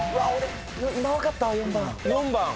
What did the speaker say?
今分かったわ４番。